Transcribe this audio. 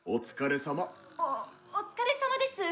おお疲れさまです。